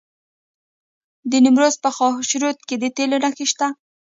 د نیمروز په خاشرود کې د تیلو نښې شته.